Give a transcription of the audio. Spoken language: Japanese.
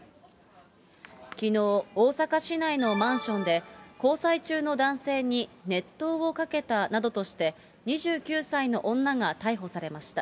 きのう、大阪市内のマンションで、交際中の男性に熱湯をかけたなどとして、２９歳の女が逮捕されました。